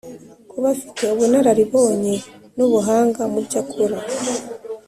kuba afite ubunararibonye n ubuhanga mubyo akora